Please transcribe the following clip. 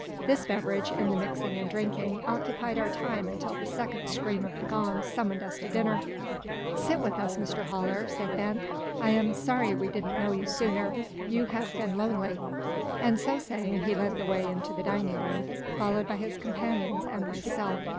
This beverage, in the mixing and drinking, occupied our time until the second scream of the gong summoned us to dinner. "Sit with us, Mr Haller," said Bent; "I am sorry we didn't know you sooner. You have been lonely." And so saying, he led the way into the dining room, followed by his companions and myself.